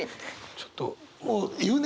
ちょっともう言うね。